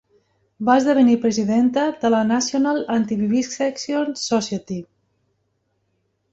Va esdevenir presidenta de la National Anti-Vivisection Society.